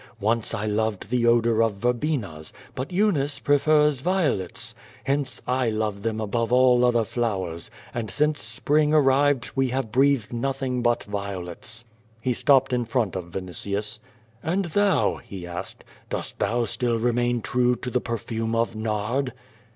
Once I loved the odor of i verbenas. But Eunice prefers violets. Hence I love them*( above all other flowers, and since Spring arrived we have breathed nothing but violets." HetKopped in front of Vinitius. "And thou," he asked, "dost thou still remain true to tho perfume of nard?"